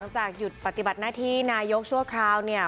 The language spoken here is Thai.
จากหยุดปฏิบัติหน้าที่นายกชั่วคราวเนี่ย